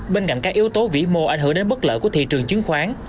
bên cạnh các yếu tố vĩ mô ảnh hưởng đến bất lợi của thị trường chứng khoán